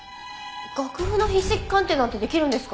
楽譜の筆跡鑑定なんてできるんですか？